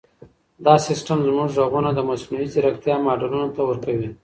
دا سیسټم زموږ ږغونه د مصنوعي ځیرکتیا ماډلونو ته ورکوي.